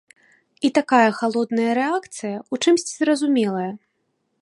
І такая халодная рэакцыя ў чымсьці зразумелая.